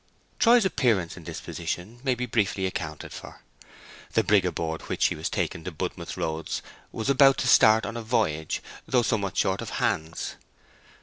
Troy's appearance in this position may be briefly accounted for. The brig aboard which he was taken in Budmouth Roads was about to start on a voyage, though somewhat short of hands.